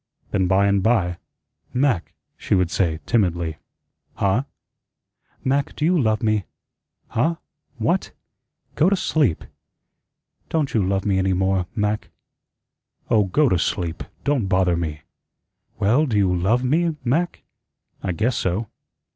Then, by and by, "Mac," she would say timidly. "Huh?" "Mac, do you love me?" "Huh? What? Go to sleep." "Don't you love me any more, Mac?" "Oh, go to sleep. Don't bother me." "Well, do you LOVE me, Mac?" "I guess so."